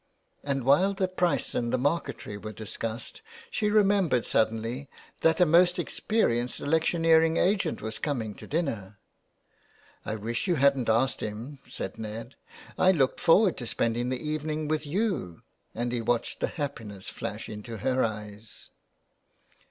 " And while the price and the marquetry were dis cussed she remembered suddenly that a most ex perienced electioneering agent was coming to dinner. '' I wish you hadn't asked him," said Ned ;'' I looked forward to spending the evening with you," and he watched happiness flash into her eyes.